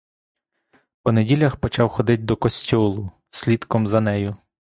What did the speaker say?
По неділях почав ходить до костьолу, слідком за нею.